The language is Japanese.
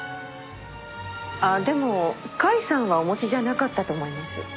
ああでも甲斐さんはお持ちじゃなかったと思います。